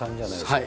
はい。